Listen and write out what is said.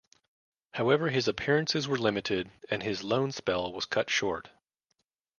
However his appearances were limited and his loan spell was cut short.